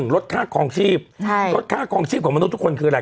ลดค่าคลองชีพลดค่าคลองชีพของมนุษย์ทุกคนคืออะไร